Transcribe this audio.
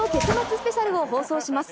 スペシャルを放送します。